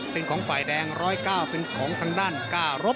๑๐๗เป็นของไฟแดง๙๐๙เป็นของทางด้านก้ารบ